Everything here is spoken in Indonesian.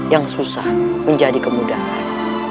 yang susah menjadi kemudahan